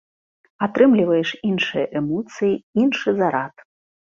Атрымліваеш іншыя эмоцыі, іншы зарад.